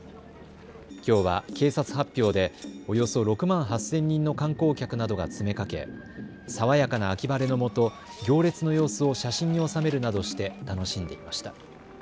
きょうは警察発表でおよそ６万８０００人の観光客などが詰めかけ爽やかな秋晴れのもと行列の様子を写真に収めるなどして楽しんでいました。